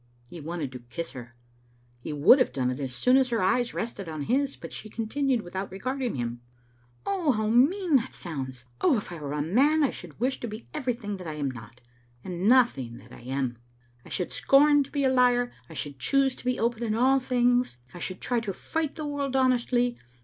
He wanted to kiss her. He would have done it as soon as her eyes rested on his, but she continued without regarding him — "How mean that sounds! Oh, if I were a man I should wish to be everything that I am not, and nothing that I am. I should scorn to be a liar, I should choose to be open in all things, I should try to fight the world honestly.